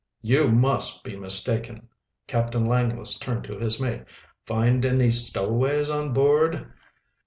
"You must be mistaken." Captain Langless turned to his mate. "Find any stowaways on board?"